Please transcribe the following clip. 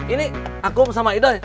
ini akum sama idoi